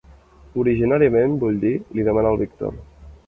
Originàriament, vull dir —li demana el Víctor.